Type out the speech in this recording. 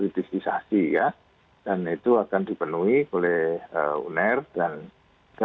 tidak ada obat